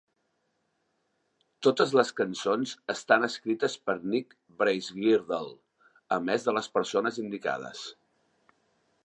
Totes les cançons estan escrites per Nick Bracegirdle a més de les persones indicades.